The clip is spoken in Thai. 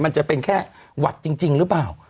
มันจะเป็นแค่หวัดจริงหรือเปล่า